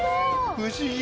不思議。